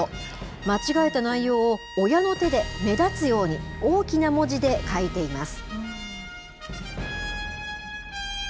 間違えた内容を親の手で、目立つように、大きな文字で書いています。